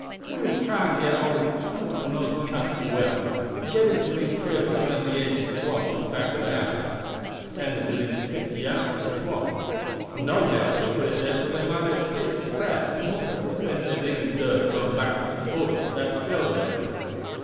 We will try and get hold of some one who knows the country well, and get him to lead three of us round through the edge of the swamp to the back of the house. It stands within fifty yards of the swamp. I have no doubt they put it there so that they might escape if pressed, and also to prevent their being observed going backward and forward to that still of theirs."